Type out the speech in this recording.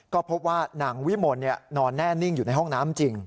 ก็พบว่านางวิมลนอนแน่นิ่งอยู่ในห้องน้ำจริง